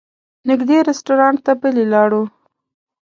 نږدې رسټورانټ ته پلي لاړو.